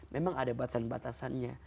memang ada batasan batasannya